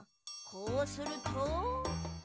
こうすると。